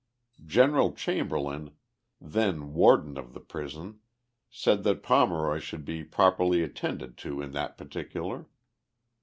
General Chamberlain, then warden of the prison, said that Pomeroy should be properly attended to in that particular.